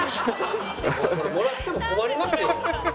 もらっても困りますよ。